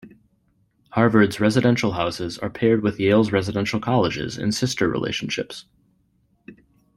Harvard's residential houses are paired with Yale's residential colleges in sister relationships.